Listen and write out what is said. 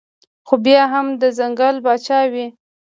خو بيا هم د ځنګل باچا وي